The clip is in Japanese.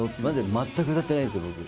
全く歌ってないんですよ、僕。